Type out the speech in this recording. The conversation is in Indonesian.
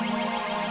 makasih ya gua kelan